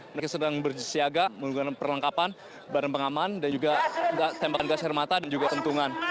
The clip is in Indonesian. mereka sedang bersiaga menggunakan perlengkapan barang pengaman dan juga tembakan gas air mata dan juga kentungan